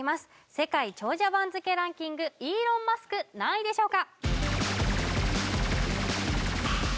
世界長者番付ランキングイーロン・マスク何位でしょうか？